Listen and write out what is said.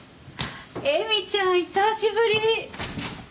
絵美ちゃん久しぶり！